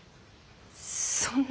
そんな。